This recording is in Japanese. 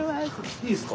いいっすか？